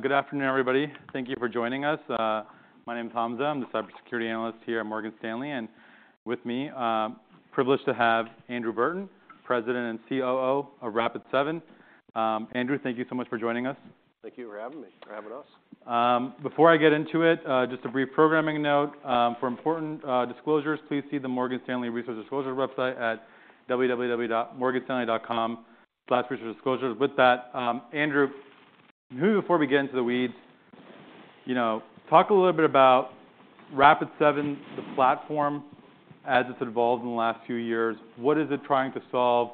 Good afternoon, everybody. Thank you for joining us. My name's Hamza. I'm the cybersecurity analyst here at Morgan Stanley. And with me, privileged to have Andrew Burton, President and COO of Rapid7. Andrew, thank you so much for joining us. Thank you for having me. For having us. Before I get into it, just a brief programming note. For important disclosures, please see the Morgan Stanley Resource Disclosures website at www.morganstanley.com/resource-disclosures. With that, Andrew, maybe before we get into the weeds, you know, talk a little bit about Rapid7, the platform, as it's evolved in the last few years. What is it trying to solve?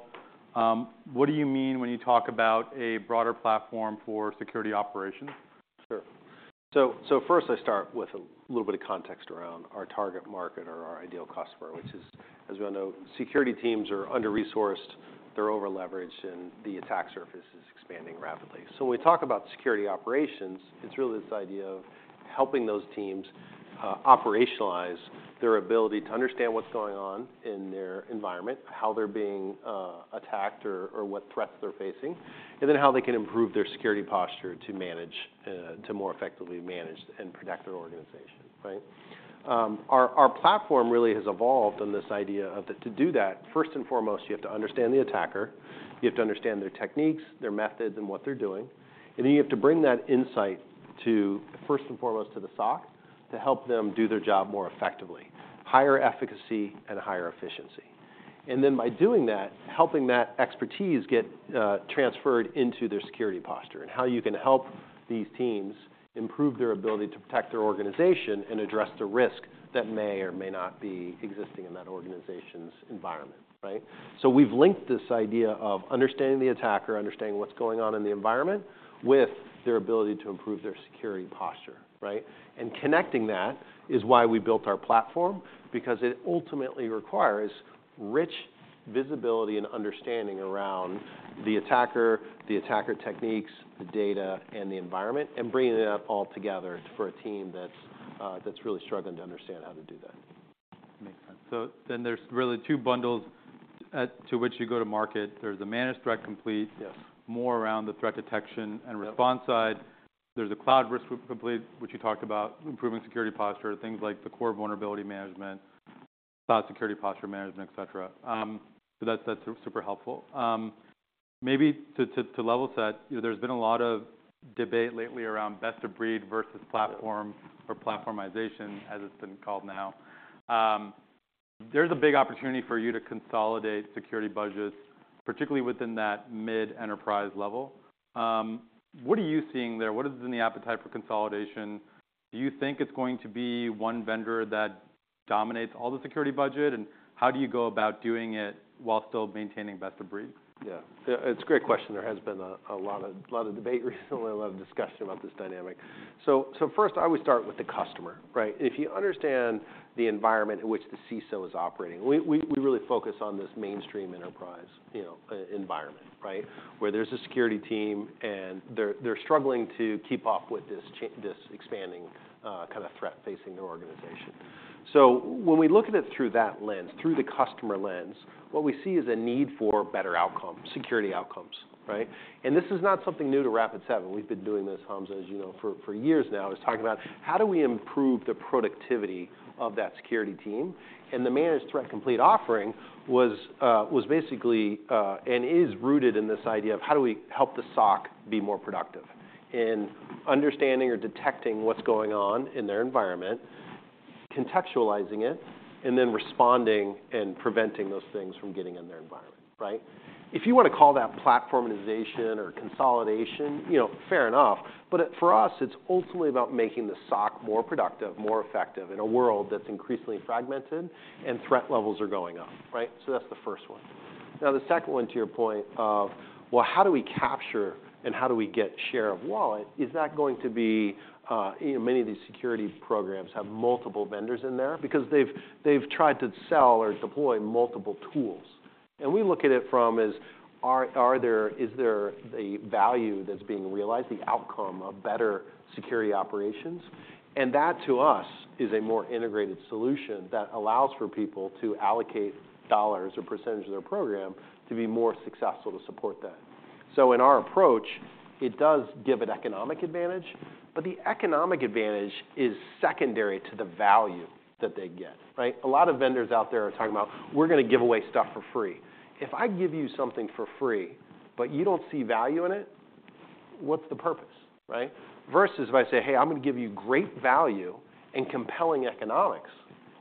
What do you mean when you talk about a broader platform for security operations? Sure. So first I start with a little bit of context around our target market or our ideal customer, which is, as we all know, security teams are under-resourced, they're over-leveraged, and the attack surface is expanding rapidly. So when we talk about security operations, it's really this idea of helping those teams operationalize their ability to understand what's going on in their environment, how they're being attacked, or what threats they're facing, and then how they can improve their security posture to manage, to more effectively manage and protect their organization, right? Our platform really has evolved on this idea of that to do that, first and foremost, you have to understand the attacker. You have to understand their techniques, their methods, and what they're doing. And then you have to bring that insight to, first and foremost, to the SOC to help them do their job more effectively, higher efficacy and higher efficiency. And then by doing that, helping that expertise get transferred into their security posture and how you can help these teams improve their ability to protect their organization and address the risk that may or may not be existing in that organization's environment, right? So we've linked this idea of understanding the attacker, understanding what's going on in the environment, with their ability to improve their security posture, right? And connecting that is why we built our platform, because it ultimately requires rich visibility and understanding around the attacker, the attacker techniques, the data, and the environment, and bringing it all together for a team that's really struggling to understand how to do that. Makes sense. So then there's really two bundles to which you go to market. There's a Managed Threat Complete. Yes. More around the threat detection and response side. Yep. There's a Cloud Risk Complete, which you talked about, improving security posture, things like the core vulnerability management, cloud security posture management, etc. So that's, that's super, super helpful. Maybe to level set, you know, there's been a lot of debate lately around best of breed versus platform, or platformization, as it's been called now. There's a big opportunity for you to consolidate security budgets, particularly within that mid-enterprise level. What are you seeing there? What is in the appetite for consolidation? Do you think it's going to be one vendor that dominates all the security budget? And how do you go about doing it while still maintaining best of breed? Yeah. Yeah, it's a great question. There has been a lot of debate recently, a lot of discussion about this dynamic. So first I always start with the customer, right? If you understand the environment in which the CISO is operating, we really focus on this mainstream enterprise, you know, environment, right, where there's a security team and they're struggling to keep up with this expanding, kind of threat facing their organization. So when we look at it through that lens, through the customer lens, what we see is a need for better outcomes, security outcomes, right? And this is not something new to Rapid7. We've been doing this, Hamza, as you know, for years now, talking about how do we improve the productivity of that security team? The Managed Threat Complete offering was basically and is rooted in this idea of how do we help the SOC be more productive in understanding or detecting what's going on in their environment, contextualizing it, and then responding and preventing those things from getting in their environment, right? If you wanna call that platformization or consolidation, you know, fair enough. But for us, it's ultimately about making the SOC more productive, more effective in a world that's increasingly fragmented and threat levels are going up, right? So that's the first one. Now, the second one, to your point of, well, how do we capture and how do we get share of wallet, is that going to be, you know, many of these security programs have multiple vendors in there because they've tried to sell or deploy multiple tools. And we look at it from ARR. Is there the value that's being realized, the outcome of better security operations? And that, to us, is a more integrated solution that allows for people to allocate dollars or percentage of their program to be more successful to support that. So in our approach, it does give an economic advantage, but the economic advantage is secondary to the value that they get, right? A lot of vendors out there are talking about, "We're gonna give away stuff for free." If I give you something for free but you don't see value in it, what's the purpose, right? Versus if I say, "Hey, I'm gonna give you great value and compelling economics,"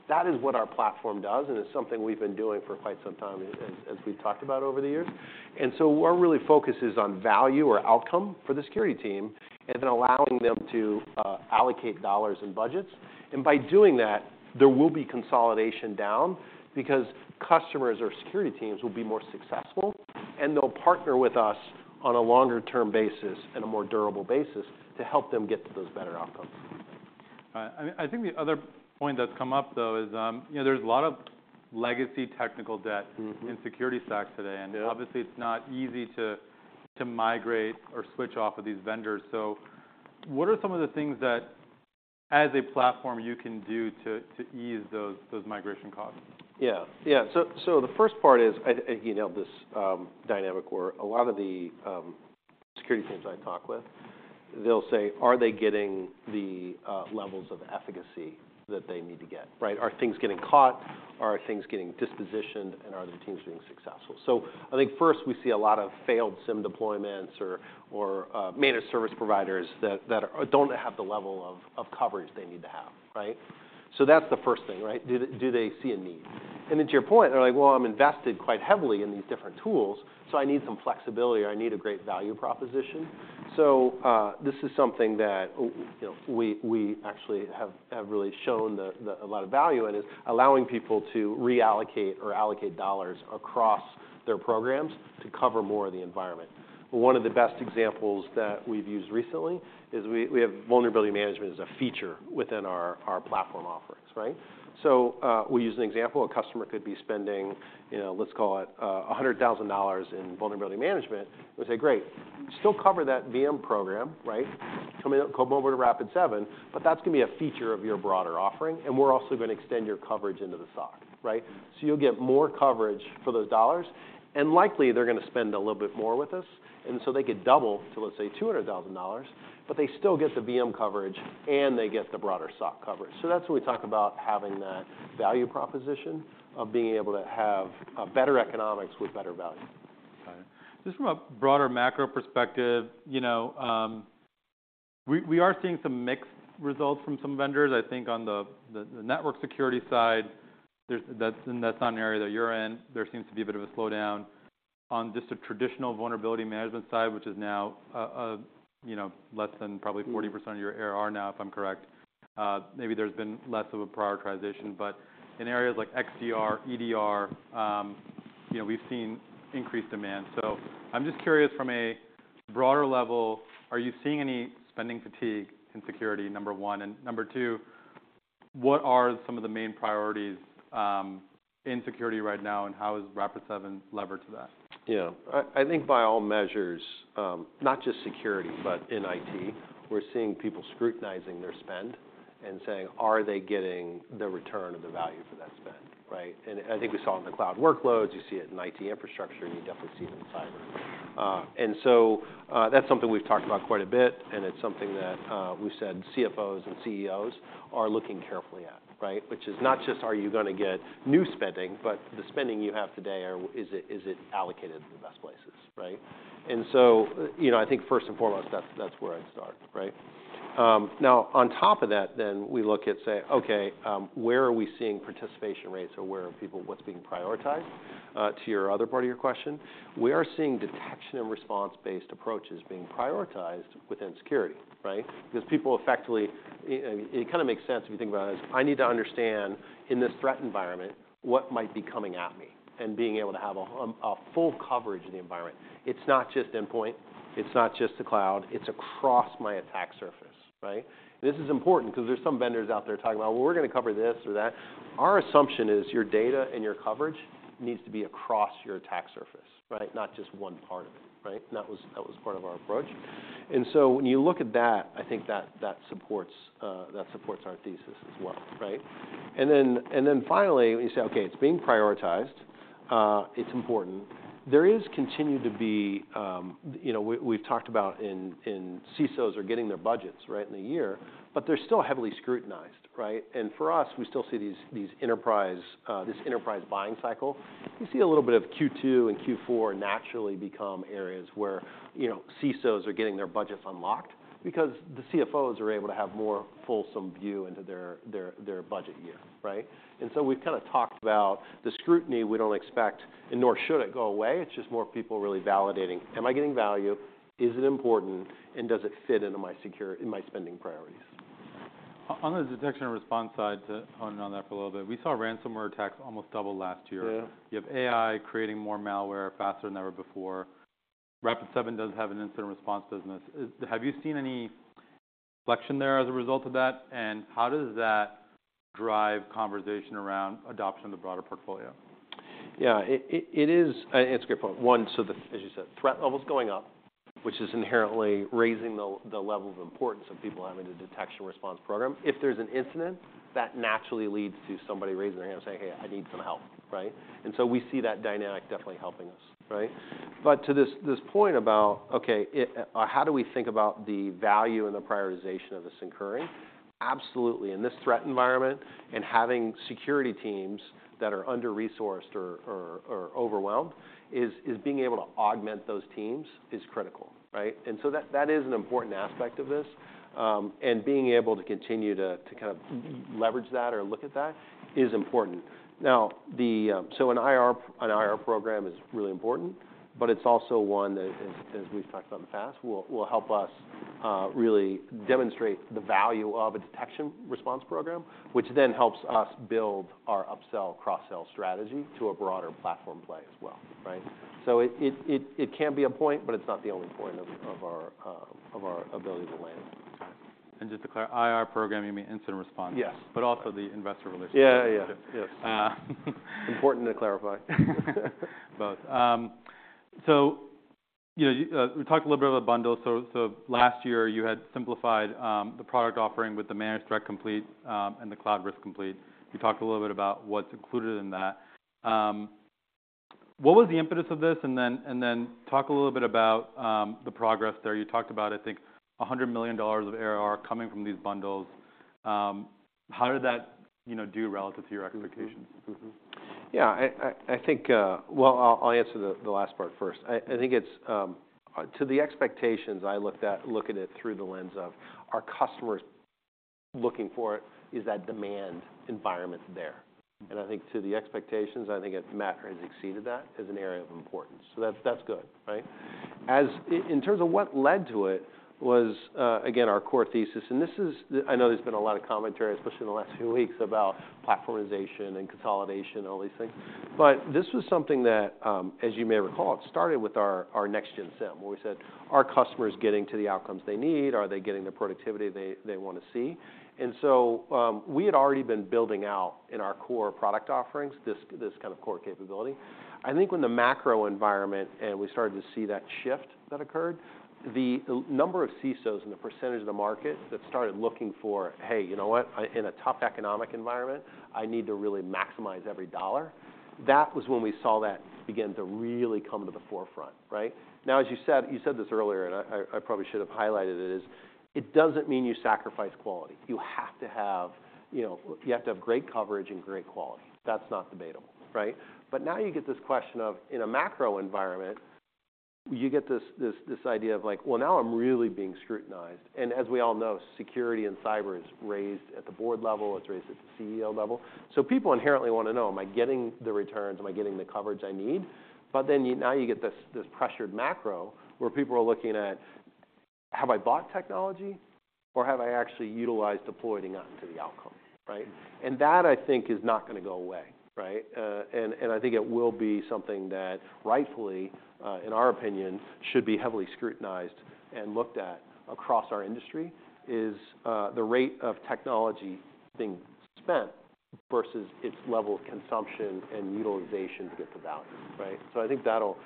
that is what our platform does and is something we've been doing for quite some time as we've talked about over the years. So our really focus is on value or outcome for the security team and then allowing them to allocate dollars and budgets. By doing that, there will be consolidation down because customers or security teams will be more successful, and they'll partner with us on a longer-term basis and a more durable basis to help them get to those better outcomes. All right. I mean, I think the other point that's come up, though, is, you know, there's a lot of legacy technical debt. Mm-hmm. In security SOCs today. Yeah. And obviously, it's not easy to migrate or switch off of these vendors. So what are some of the things that, as a platform, you can do to ease those migration costs? Yeah. Yeah. So the first part is, I, you know, this dynamic where a lot of the security teams I talk with, they'll say, "Are they getting the levels of efficacy that they need to get, right? Are things getting caught? Are things getting dispositioned? And are the teams being successful?" So I think first we see a lot of failed SIEM deployments or managed service providers that don't have the level of coverage they need to have, right? So that's the first thing, right? Do they see a need? And then to your point, they're like, "Well, I'm invested quite heavily in these different tools, so I need some flexibility. I need a great value proposition." So, this is something that, you know, we actually have really shown a lot of value in is allowing people to reallocate or allocate dollars across their programs to cover more of the environment. One of the best examples that we've used recently is we have vulnerability management as a feature within our platform offerings, right? So, we use an example. A customer could be spending, you know, let's call it, $100,000 in vulnerability management. We'll say, "Great. Still cover that VM program, right, coming over to Rapid7, but that's gonna be a feature of your broader offering, and we're also gonna extend your coverage into the SOC," right? So you'll get more coverage for those dollars. And likely, they're gonna spend a little bit more with us. And so they could double to, let's say, $200,000, but they still get the VM coverage and they get the broader SOC coverage. So that's when we talk about having that value proposition of being able to have better economics with better value. Got it. Just from a broader macro perspective, you know, we are seeing some mixed results from some vendors. I think on the network security side, there's that and that's not an area that you're in. There seems to be a bit of a slowdown. On just the traditional vulnerability management side, which is now, you know, less than probably 40% of your ARR now, if I'm correct, maybe there's been less of a prioritization. But in areas like XDR, EDR, you know, we've seen increased demand. So I'm just curious from a broader level, are you seeing any spending fatigue in security, number one? And number two, what are some of the main priorities in security right now, and how is Rapid7 levered to that? Yeah. I think by all measures, not just security but in IT, we're seeing people scrutinizing their spend and saying, "Are they getting the return of the value for that spend," right? And I think we saw it in the cloud workloads. You see it in IT infrastructure. You definitely see it in cyber. And so, that's something we've talked about quite a bit, and it's something that, we've said CFOs and CEOs are looking carefully at, right, which is not just, "Are you gonna get new spending?" but the spending you have today, is it allocated to the best places, right? And so, you know, I think first and foremost, that's where I'd start, right? Now, on top of that, then we look at, say, "Okay, where are we seeing participation rates? Or, where are people, what's being prioritized?" To your other part of your question, we are seeing detection and response-based approaches being prioritized within security, right, because people effectively, you know, it kinda makes sense if you think about it as, "I need to understand in this threat environment what might be coming at me," and being able to have a full coverage of the environment. It's not just endpoint. It's not just the cloud. It's across my attack surface, right? And this is important 'cause there's some vendors out there talking about, "Well, we're gonna cover this or that." Our assumption is your data and your coverage needs to be across your attack surface, right, not just one part of it, right? And that was part of our approach. And so when you look at that, I think that, that supports, that supports our thesis as well, right? And then and then finally, when you say, "Okay, it's being prioritized, it's important," there is continued to be, you know, we-we've talked about in, in CISOs are getting their budgets right in the year, but they're still heavily scrutinized, right? And for us, we still see these, these enterprise, this enterprise buying cycle. You see a little bit of Q2 and Q4 naturally become areas where, you know, CISOs are getting their budgets unlocked because the CFOs are able to have more fulsome view into their, their, their budget year, right? And so we've kinda talked about the scrutiny. We don't expect and nor should it go away. It's just more people really validating, "Am I getting value? Is it important? Does it fit into my security and my spending priorities? On the detection and response side, to hone in on that for a little bit, we saw ransomware attacks almost double last year. Yeah. You have AI creating more malware faster than ever before. Rapid7 does have an incident response business. Have you seen any inflection there as a result of that? And how does that drive conversation around adoption of the broader portfolio? Yeah. It is a great point. So as you said, threat level's going up, which is inherently raising the level of importance of people having a detection response program. If there's an incident, that naturally leads to somebody raising their hand saying, "Hey, I need some help," right? And so we see that dynamic definitely helping us, right? But to this point about, "Okay, how do we think about the value and the prioritization of this occurring?" Absolutely. In this threat environment, and having security teams that are under-resourced or overwhelmed, being able to augment those teams is critical, right? And so that is an important aspect of this, and being able to continue to kind of leverage that or look at that is important. Now, so an IR program is really important, but it's also one that, as we've talked about in the past, will help us really demonstrate the value of a detection response program, which then helps us build our upsell, cross-sell strategy to a broader platform play as well, right? So it can be a point, but it's not the only point of our ability to land. Got it. And just to clarify, IR program, you mean incident response? Yes. But also the Investor Relations. Yeah, yeah, yeah. Yes. Important to clarify. Both. So, you know, we talked a little bit about bundles. So, last year, you had simplified the product offering with the Managed Threat Complete and the Cloud Risk Complete. You talked a little bit about what's included in that. What was the impetus of this? And then talk a little bit about the progress there. You talked about, I think, $100 million of ARR coming from these bundles. How did that, you know, do relative to your expectations? Mm-hmm. Mm-hmm. Yeah. I think, well, I'll answer the last part first. I think it's to the expectations. I looked at it through the lens of, "Are customers looking for it? Is that demand environment there?" And I think to the expectations, I think it matters has exceeded that as an area of importance. So that's good, right? As in terms of what led to it was, again, our core thesis. And this is, I know there's been a lot of commentary, especially in the last few weeks, about platformization and consolidation and all these things. But this was something that, as you may recall, it started with our next-gen SIEM, where we said, "Are customers getting to the outcomes they need? Are they getting the productivity they wanna see?" And so, we had already been building out in our core product offerings this kind of core capability. I think when the macro environment and we started to see that shift that occurred, the number of CISOs and the percentage of the market that started looking for, "Hey, you know what? I in a tough economic environment, I need to really maximize every dollar," that was when we saw that begin to really come to the forefront, right? Now, as you said this earlier, and I probably should have highlighted it, is it doesn't mean you sacrifice quality. You have to have, you know, you have to have great coverage and great quality. That's not debatable, right? But now you get this question of, in a macro environment, you get this idea of like, "Well, now I'm really being scrutinized." And as we all know, security and cyber is raised at the board level. It's raised at the CEO level. So people inherently wanna know, "Am I getting the returns? Am I getting the coverage I need?" But then you get this pressured macro where people are looking at, "Have I bought technology? Or have I actually utilized, deployed, and gotten to the outcome," right? And that, I think, is not gonna go away, right? I think it will be something that, rightfully, in our opinion, should be heavily scrutinized and looked at across our industry is the rate of technology being spent versus its level of consumption and utilization to get the value, right? So I think that'll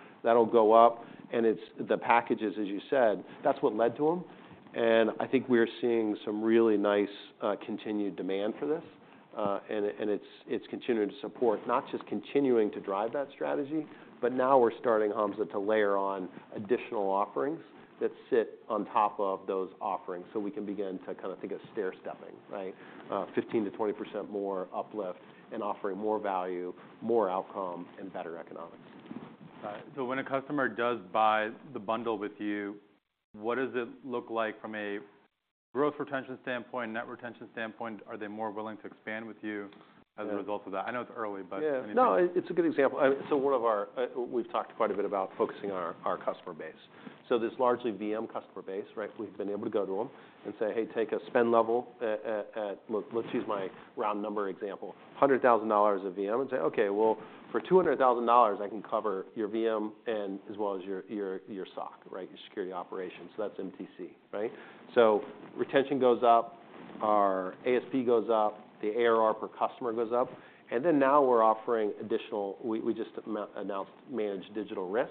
go up. And it's the packages, as you said, that's what led to them. And I think we are seeing some really nice, continued demand for this. And it's continuing to support not just continuing to drive that strategy, but now we're starting, Hamza, to layer on additional offerings that sit on top of those offerings so we can begin to kinda think of stair-stepping, right, 15%-20% more uplift and offering more value, more outcome, and better economics. Got it. So when a customer does buy the bundle with you, what does it look like from a growth retention standpoint, net retention standpoint? Are they more willing to expand with you as a result of that? I know it's early, but anything. Yeah. No, it's a good example. I mean, so one of our, we've talked quite a bit about focusing on our, our customer base. So this largely VM customer base, right, we've been able to go to them and say, "Hey, take a spend level at let's use my round number example, $100,000 of VM, and say, "Okay, well, for $200,000, I can cover your VM and as well as your SOC, right, your security operations." So that's MTC, right? So retention goes up. Our ASP goes up. The ARR per customer goes up. And then now we're offering additional, we just announced Managed Digital Risk.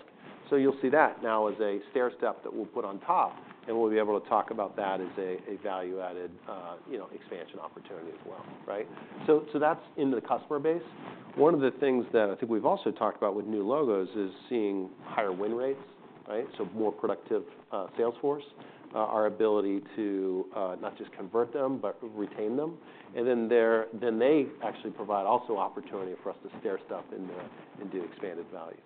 So you'll see that now as a stair-step that we'll put on top. And we'll be able to talk about that as a value-added, you know, expansion opportunity as well, right? So, that's into the customer base. One of the things that I think we've also talked about with new logos is seeing higher win rates, right, so more productive sales force, our ability to not just convert them but retain them. And then they actually provide also opportunity for us to stair-step into and do expanded value.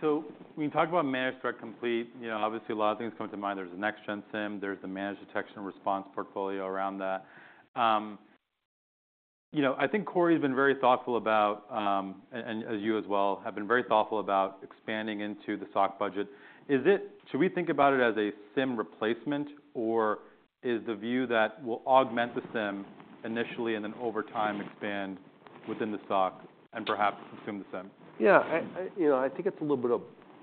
So when you talk about Managed Threat Complete, you know, obviously, a lot of things come to mind. There’s a next-gen SIEM. There’s the managed detection response portfolio around that. You know, I think Corey’s been very thoughtful about, and, and as you as well, have been very thoughtful about expanding into the SOC budget. Is it should we think about it as a SIEM replacement? Or is the view that we’ll augment the SIEM initially and then over time expand within the SOC and perhaps consume the SIEM? Yeah. I you know, I think it's a little bit of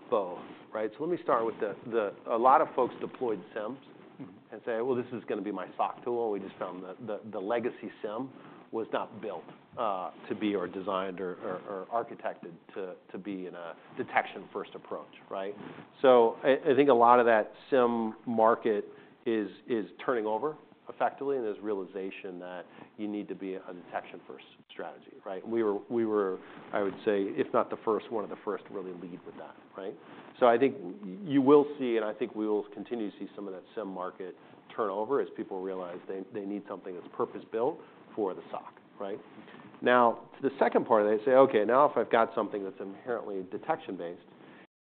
both, right? So let me start with a lot of folks deployed SIEMs. Mm-hmm. And say, "Well, this is gonna be my SOC tool." And we just found that the legacy SIEM was not built to be or designed or architected to be in a detection-first approach, right? So I think a lot of that SIEM market is turning over effectively. And there's realization that you need to be a detection-first strategy, right? We were, I would say, if not the first one of the first to really lead with that, right? So I think you will see and I think we will continue to see some of that SIEM market turnover as people realize they need something that's purpose-built for the SOC, right? Now, to the second part of that, you say, "Okay, now if I've got something that's inherently detection-based,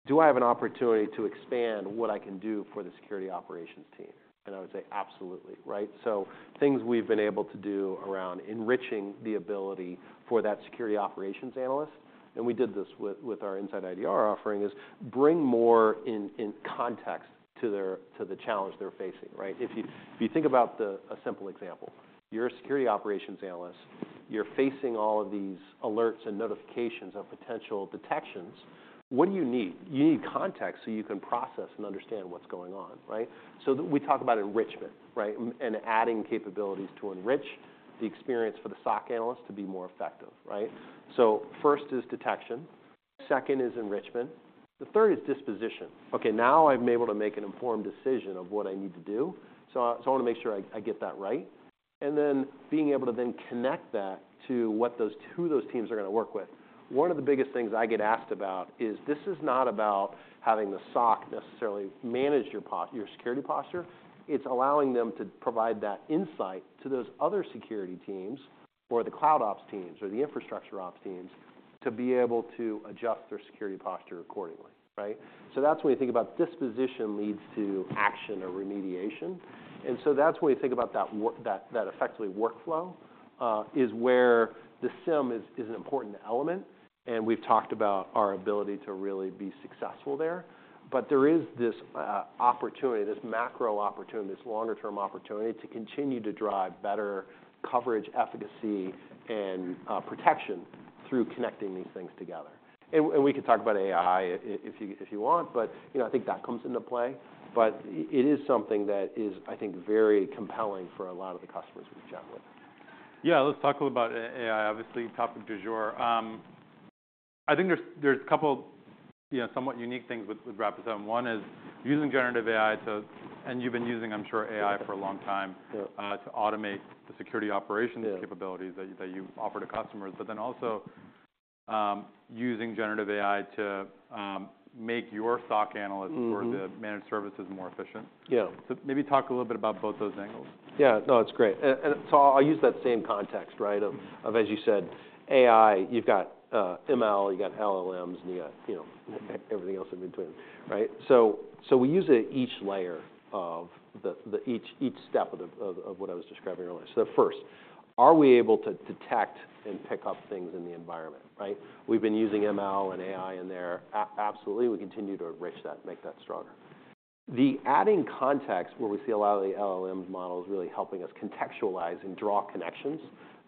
do I have an opportunity to expand what I can do for the security operations team?" And I would say, "Absolutely," right? So things we've been able to do around enriching the ability for that security operations analyst - and we did this with our InsightIDR offering - is bring more in context to the challenge they're facing, right? If you think about a simple example, you're a security operations analyst. You're facing all of these alerts and notifications of potential detections. What do you need? You need context so you can process and understand what's going on, right? So we talk about enrichment, right, and adding capabilities to enrich the experience for the SOC analyst to be more effective, right? So first is detection. Second is enrichment. The third is disposition. "Okay, now I'm able to make an informed decision of what I need to do. So I wanna make sure I get that right." And then being able to then connect that to what those, those teams are gonna work with. One of the biggest things I get asked about is, "This is not about having the SOC necessarily manage your posture. It's allowing them to provide that insight to those other security teams or the cloud ops teams or the infrastructure ops teams to be able to adjust their security posture accordingly," right? So that's when you think about disposition leads to action or remediation. And so that's when you think about that workflow, is where the SIEM is an important element. We've talked about our ability to really be successful there. But there is this opportunity, this macro opportunity, this longer-term opportunity to continue to drive better coverage, efficacy, and protection through connecting these things together. And we could talk about AI if you want. But you know, I think that comes into play. But it is something that is, I think, very compelling for a lot of the customers we've chatted with. Yeah. Let's talk a little about AI, obviously, topic du jour. I think there's a couple, you know, somewhat unique things with Rapid7. One is using generative AI to and you've been using, I'm sure, AI for a long time. Yeah. to automate the security operations. Yeah. Capabilities that you offer to customers. But then also, using generative AI to make your SOC analysts. Mm-hmm. For the managed services more efficient. Yeah. Maybe talk a little bit about both those angles. Yeah. No, it's great. And so I'll use that same context, right, of as you said, AI. You've got ML. You've got LLMs. And you got, you know, everything else in between, right? So we use it at each layer of each step of what I was describing earlier. So the first, are we able to detect and pick up things in the environment, right? We've been using ML and AI in there. Absolutely. We continue to enrich that, make that stronger. The adding context where we see a lot of the LLMs models really helping us contextualize and draw connections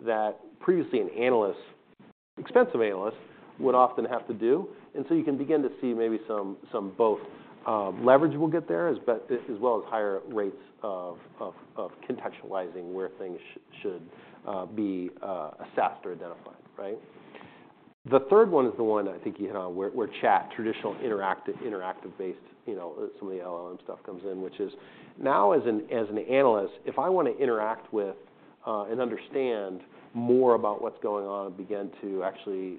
that previously an analyst, expensive analyst, would often have to do. And so you can begin to see maybe some leverage we'll get there as we as well as higher rates of contextualizing where things should be assessed or identified, right? The third one is the one I think you hit on where traditional interactive-based, you know, some of the LLM stuff comes in, which is now as an analyst, if I wanna interact with and understand more about what's going on and begin to actually,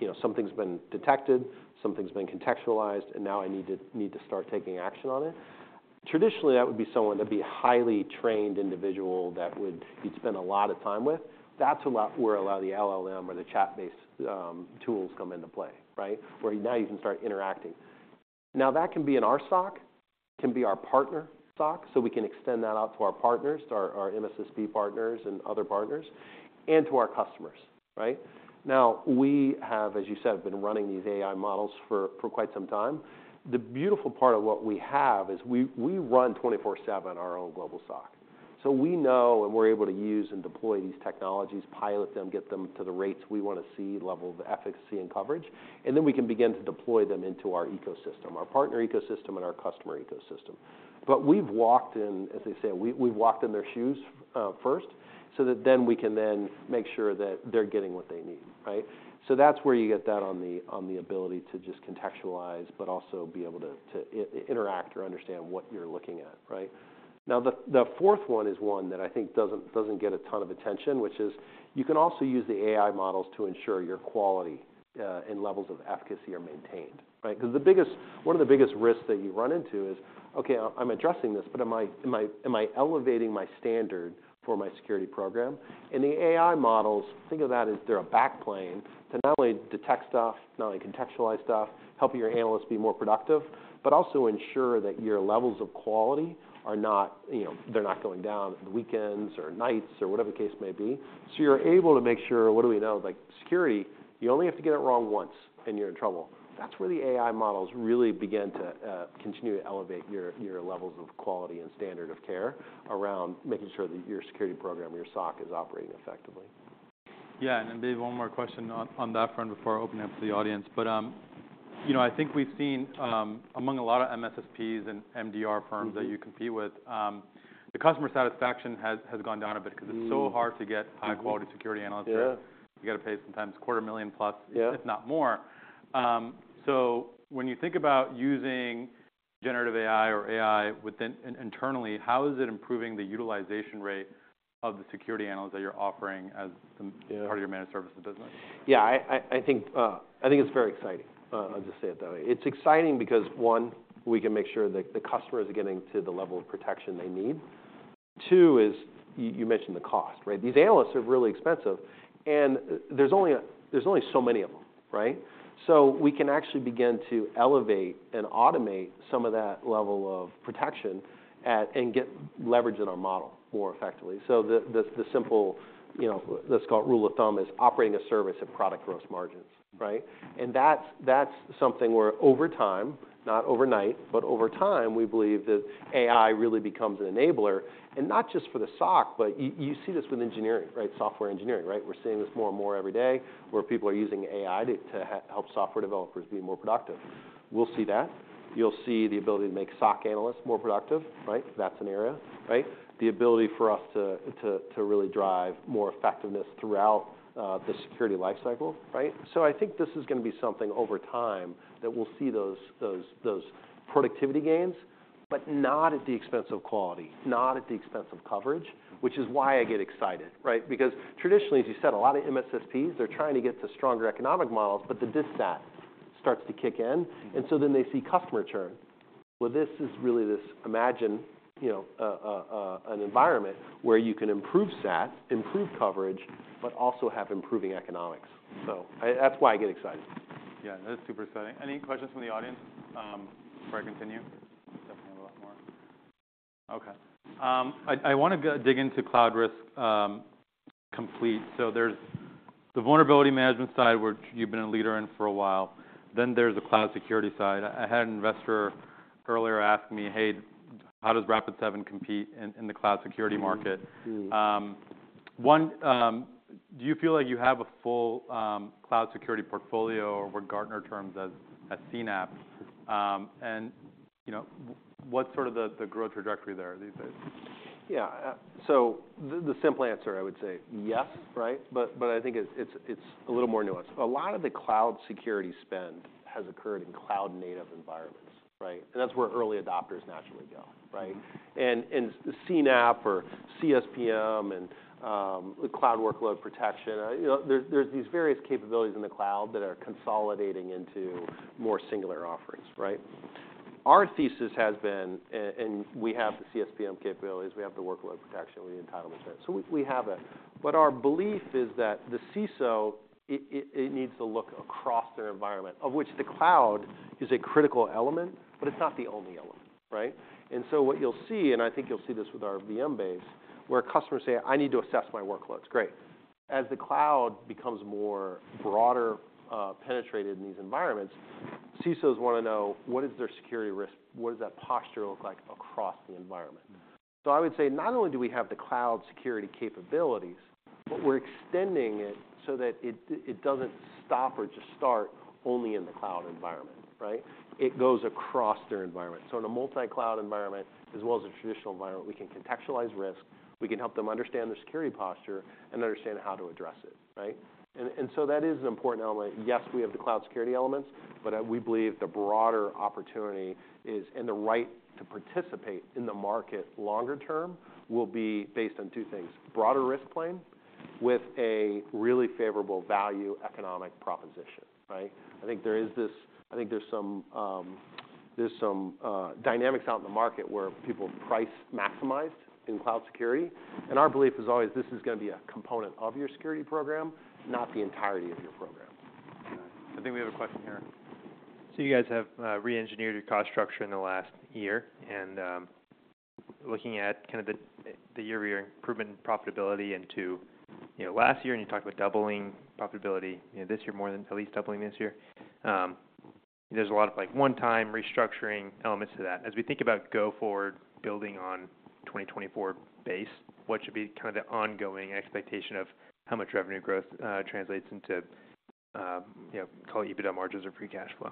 you know, something's been detected, something's been contextualized, and now I need to start taking action on it, traditionally, that would be someone that'd be a highly trained individual that you'd spend a lot of time with. That's where a lot of the LLM or the chat-based tools come into play, right, where now you can start interacting. Now, that can be in our SOC. It can be our partner SOC. So we can extend that out to our partners, to our, our MSSP partners and other partners, and to our customers, right? Now, we have, as you said, been running these AI models for, for quite some time. The beautiful part of what we have is we, we run 24/7 our own global SOC. So we know and we're able to use and deploy these technologies, pilot them, get them to the rates we wanna see, level of efficacy and coverage. And then we can begin to deploy them into our ecosystem, our partner ecosystem, and our customer ecosystem. But we've walked in as they say, we, we've walked in their shoes, first so that then we can then make sure that they're getting what they need, right? So that's where you get that on the ability to just contextualize but also be able to, to interact or understand what you're looking at, right? Now, the fourth one is one that I think doesn't get a ton of attention, which is you can also use the AI models to ensure your quality and levels of efficacy are maintained, right? 'Cause the biggest risk that you run into is, "Okay, I'm addressing this. But am I elevating my standard for my security program?" And the AI models, think of that as they're a backplane to not only detect stuff, not only contextualize stuff, help your analysts be more productive, but also ensure that your levels of quality are not, you know, they're not going down the weekends or nights or whatever the case may be. So you're able to make sure what do we know? Like, security, you only have to get it wrong once, and you're in trouble. That's where the AI models really begin to, continue to elevate your, your levels of quality and standard of care around making sure that your security program or your SOC is operating effectively. Yeah. And then maybe one more question on, on that front before opening up to the audience. But, you know, I think we've seen, among a lot of MSSPs and MDR firms. Yeah. That you compete with, the customer satisfaction has gone down a bit 'cause it's so hard to get high-quality security analysts. Yeah. Right? You gotta pay sometimes $250,000 plus. Yeah. If not more. So when you think about using generative AI or AI within, internally, how is it improving the utilization rate of the security analysts that you're offering as the. Yeah. Part of your managed services business? Yeah. I think it's very exciting. I'll just say it that way. It's exciting because, one, we can make sure that the customer is getting to the level of protection they need. Two, you mentioned the cost, right? These analysts are really expensive. And there's only so many of them, right? So we can actually begin to elevate and automate some of that level of protection and get leverage in our model more effectively. So the simple, you know, let's call it rule of thumb is operating a service at product gross margins, right? And that's something where over time not overnight, but over time, we believe that AI really becomes an enabler. And not just for the SOC, but you see this with engineering, right, software engineering, right? We're seeing this more and more every day where people are using AI to help software developers be more productive. We'll see that. You'll see the ability to make SOC analysts more productive, right? That's an area, right? The ability for us to really drive more effectiveness throughout the security lifecycle, right? So I think this is gonna be something over time that we'll see those productivity gains but not at the expense of quality, not at the expense of coverage. Mm-hmm. Which is why I get excited, right? Because traditionally, as you said, a lot of MSSPs, they're trying to get to stronger economic models. But the dissatisfaction starts to kick in. Mm-hmm. And so then they see customer churn. Well, this is really this imagine, you know, an environment where you can improve sat, improve coverage, but also have improving economics. So that's why I get excited. Yeah. That's super exciting. Any questions from the audience before I continue? Definitely have a lot more. Okay. I wanna dig into Cloud Risk Complete. So there's the vulnerability management side where you've been a leader in for a while. Then there's the cloud security side. I had an investor earlier ask me, "Hey, how does Rapid7 compete in the cloud security market? Mm-hmm. One, do you feel like you have a full cloud security portfolio or, with Gartner terms, as CNAPP? And, you know, what's sort of the growth trajectory there these days? Yeah. So the simple answer, I would say, yes, right? But I think it's a little more nuanced. A lot of the cloud security spend has occurred in cloud-native environments, right? And that's where early adopters naturally go, right? Mm-hmm. CNAPP or CSPM and the cloud workload protection, you know, there's these various capabilities in the cloud that are consolidating into more singular offerings, right? Our thesis has been and we have the CSPM capabilities. We have the workload protection. We have the entitlements management. So we have but our belief is that the CISO it needs to look across their environment, of which the cloud is a critical element. But it's not the only element, right? And so what you'll see and I think you'll see this with our VM base where customers say, "I need to assess my workloads." Great. As the cloud becomes more broader, penetrated in these environments, CISOs wanna know, "What is their security risk? What does that posture look like across the environment? Mm-hmm. So I would say not only do we have the cloud security capabilities, but we're extending it so that it doesn't stop or just start only in the cloud environment, right? It goes across their environment. So in a multi-cloud environment as well as a traditional environment, we can contextualize risk. We can help them understand their security posture and understand how to address it, right? And so that is an important element. Yes, we have the cloud security elements. But we believe the broader opportunity is and the right to participate in the market longer term will be based on two things: broader risk plane with a really favorable value economic proposition, right? I think there is this some dynamics out in the market where people have price maximized in cloud security. Our belief is always, "This is gonna be a component of your security program, not the entirety of your program. All right. I think we have a question here. You guys have re-engineered your cost structure in the last year. Looking at kind of the year-over-year improvement in profitability into you know last year, and you talked about doubling profitability, you know, this year more than at least doubling this year, there's a lot of like one-time restructuring elements to that. As we think about go forward building on 2024 base, what should be kind of the ongoing expectation of how much revenue growth translates into, you know, call it EBITDA margins or free cash flow?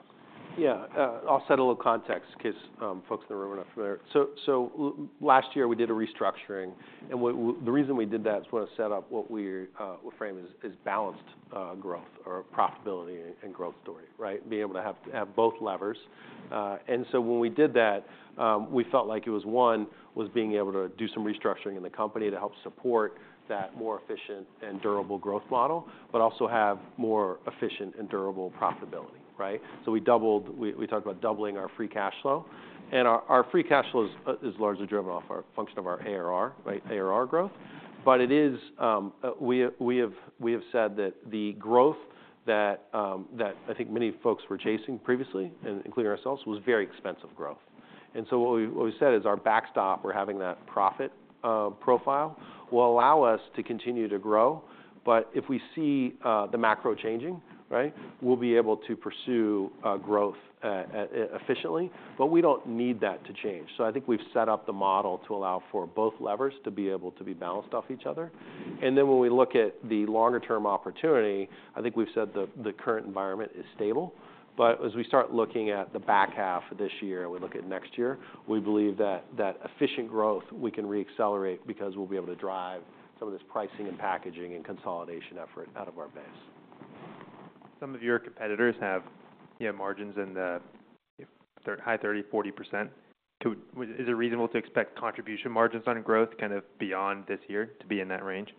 Yeah. I'll set a little context in case folks in the room are not familiar. So last year, we did a restructuring. And what the reason we did that is we wanna set up what we're framing as balanced growth or profitability and growth story, right, being able to have both levers. So when we did that, we felt like it was one, was being able to do some restructuring in the company to help support that more efficient and durable growth model but also have more efficient and durable profitability, right? So we talked about doubling our free cash flow. And our free cash flow is largely driven off our function of our ARR, right, ARR growth. But it is, we have said that the growth that I think many folks were chasing previously, and including ourselves, was very expensive growth. And so what we said is our backstop, we're having that profit profile will allow us to continue to grow. But if we see the macro changing, right, we'll be able to pursue growth efficiently. But we don't need that to change. So I think we've set up the model to allow for both levers to be able to be balanced off each other. And then when we look at the longer-term opportunity, I think we've said the current environment is stable. But as we start looking at the back half of this year and we look at next year, we believe that, that efficient growth, we can re-accelerate because we'll be able to drive some of this pricing and packaging and consolidation effort out of our base. Some of your competitors have, you know, margins in the, you know, high 30s, 40%. Could it be reasonable to expect contribution margins on growth kind of beyond this year to be in that range?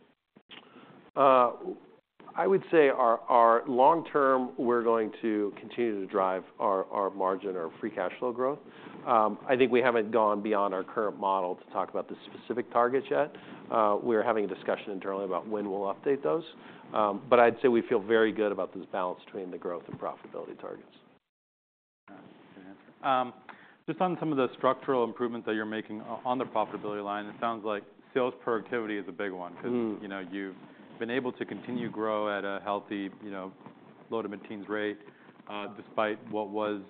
I would say our, our long term, we're going to continue to drive our, our margin or free cash flow growth. I think we haven't gone beyond our current model to talk about the specific targets yet. We're having a discussion internally about when we'll update those. But I'd say we feel very good about this balance between the growth and profitability targets. All right. Good answer. Just on some of the structural improvements that you're making on the profitability line, it sounds like sales productivity is a big one 'cause. Mm-hmm. You know, you've been able to continue to grow at a healthy, you know, low maintenance rate, despite what was,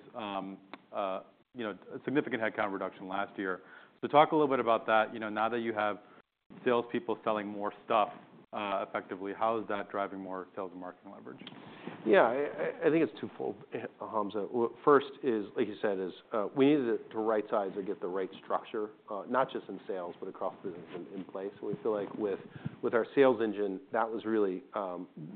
you know, a significant headcount reduction last year. So talk a little bit about that. You know, now that you have salespeople selling more stuff, effectively, how is that driving more sales and marketing leverage? Yeah. I think it's twofold, Hamza. Well, first is, like you said, we needed it to right size to get the right structure, not just in sales but across business and in place. And we feel like with our sales engine, that was really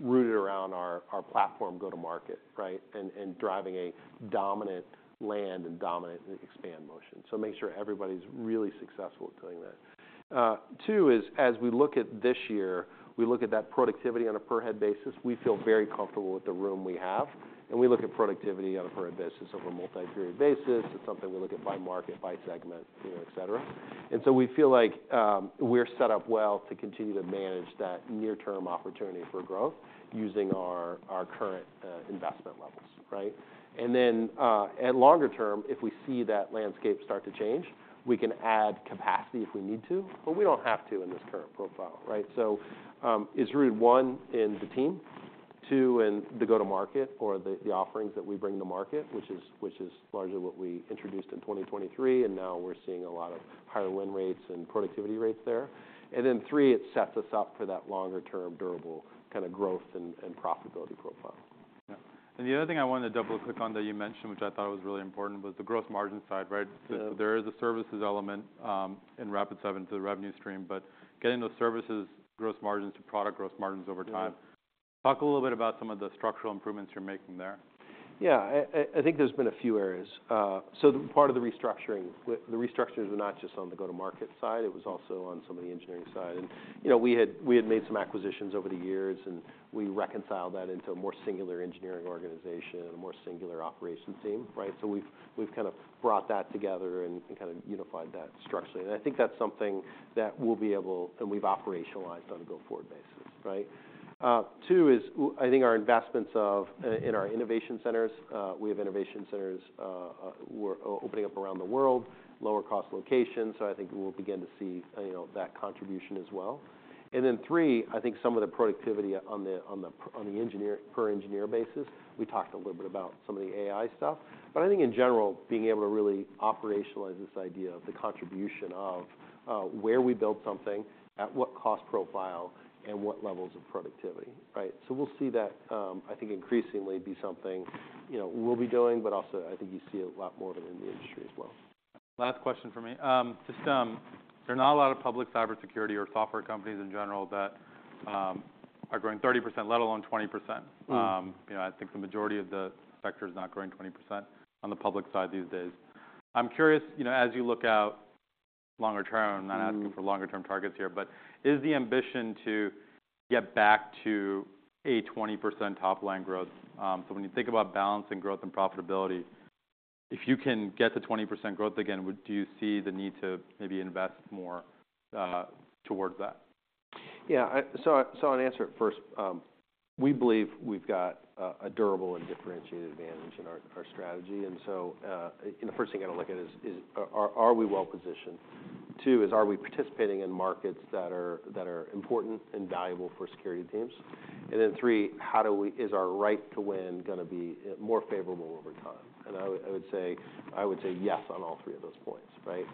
rooted around our platform go-to-market, right, and driving a dominant land and dominant expand motion. So make sure everybody's really successful at doing that. Two is, as we look at this year, we look at that productivity on a per-head basis. We feel very comfortable with the room we have. And we look at productivity on a per-head basis over a multi-period basis. It's something we look at by market, by segment, you know, etc. And so we feel like we're set up well to continue to manage that near-term opportunity for growth using our current investment levels, right? And then, at longer term, if we see that landscape start to change, we can add capacity if we need to. But we don't have to in this current profile, right? So, it's rooted, one, in the team. Two, in the go-to-market or the offerings that we bring to market, which is largely what we introduced in 2023. And now we're seeing a lot of higher win rates and productivity rates there. And then, three, it sets us up for that longer-term durable kind of growth and profitability profile. Yeah. The other thing I wanted to double-click on that you mentioned, which I thought was really important, was the gross margin side, right? Yeah. There is a services element, in Rapid7 to the revenue stream. Getting those services gross margins to product gross margins over time. Yeah. Talk a little bit about some of the structural improvements you're making there? Yeah. I think there's been a few areas. So the part of the restructuring with the restructures were not just on the go-to-market side. It was also on some of the engineering side. And, you know, we had made some acquisitions over the years. And we reconciled that into a more singular engineering organization, a more singular operations team, right? So we've kind of brought that together and kind of unified that structurally. And I think that's something that we'll be able and we've operationalized on a go forward basis, right? Two is, I think our investments in our innovation centers, we have innovation centers, we're opening up around the world, lower-cost locations. So I think we'll begin to see, you know, that contribution as well. And then, three, I think some of the productivity on the engineer per engineer basis, we talked a little bit about some of the AI stuff. But I think, in general, being able to really operationalize this idea of the contribution of, where we build something, at what cost profile, and what levels of productivity, right? So we'll see that, I think increasingly be something, you know, we'll be doing. But also, I think you see a lot more of it in the industry as well. Last question for me. There are not a lot of public cybersecurity or software companies in general that are growing 30%, let alone 20%. Mm-hmm. You know, I think the majority of the sector is not growing 20% on the public side these days. I'm curious, you know, as you look out longer term. I'm not asking for longer-term targets here. But is the ambition to get back to a 20% top-line growth, so when you think about balancing growth and profitability, if you can get to 20% growth again, do you see the need to maybe invest more, towards that? Yeah. I'll answer it first. We believe we've got a durable and differentiated advantage in our strategy. So, you know, first thing you gotta look at is, are we well-positioned? Two is, are we participating in markets that are important and valuable for security teams? Then, three, how is our right to win gonna be more favorable over time? And I would say yes on all three of those points, right?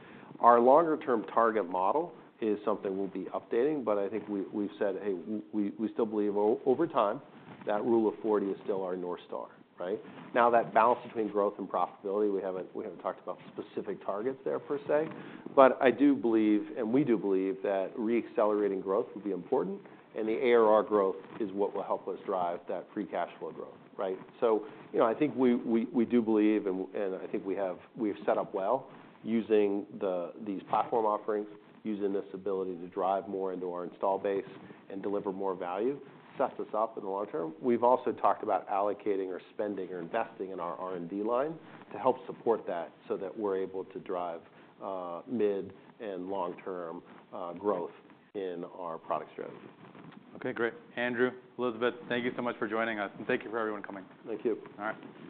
Our longer-term target model is something we'll be updating. But I think we've said, "Hey, we still believe over time, that Rule of 40 is still our north star," right? Now, that balance between growth and profitability, we haven't talked about specific targets there per se. But I do believe and we do believe that re-accelerating growth would be important. And the ARR growth is what will help us drive that free cash flow growth, right? So, you know, I think we do believe and I think we have set up well using these platform offerings, using this ability to drive more into our install base and deliver more value, sets us up in the long term. We've also talked about allocating or spending or investing in our R&D line to help support that so that we're able to drive, mid- and long-term, growth in our product strategy. Okay. Great. Andrew, Elizabeth, thank you so much for joining us. Thank you for everyone coming. Thank you. All right.